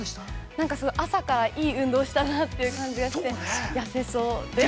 ◆なんか朝からいい運動したなって感じがして、痩せそう。